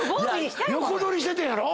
横取りしててんやろ。